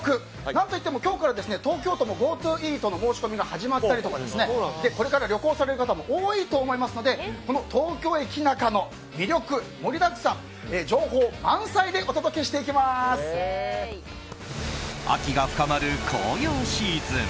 何といっても今日から東京都もＧｏＴｏイートの申し込みが始まったりとかこれから旅行される方も多いと思いますので今日は東京駅ナカの盛りだくさん秋が深まる紅葉シーズン。